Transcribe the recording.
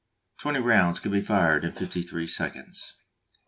Twenty rounds could be fired in fifty three seconds.